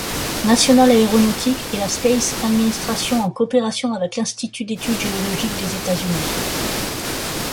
National Aeronautics et la Space Administration en coopération avec l'Institut d'études géologiques des États-Unis.